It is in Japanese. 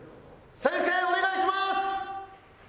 先生お願いします！